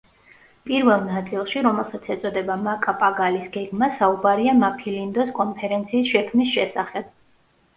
პირველ ნაწილში, რომელსაც ეწოდება „მაკაპაგალის გეგმა“, საუბარია მაფილინდოს კონფერენციის შექმნის შესახებ.